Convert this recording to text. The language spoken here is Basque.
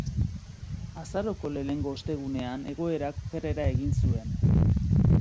Azaroko lehenengo ostegunean egoerak okerrera egin zuen.